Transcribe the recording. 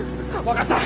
分かった！